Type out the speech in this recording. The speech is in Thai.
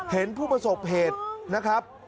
เห็นผู้ประสบเหตุนะครับ